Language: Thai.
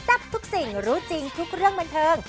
ทับทุกสิ่งรู้จริงทุกเรื่องบันเทิง